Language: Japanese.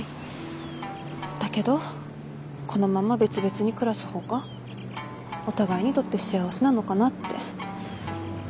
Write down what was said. だけどこのまま別々に暮らす方がお互いにとって幸せなのかなって。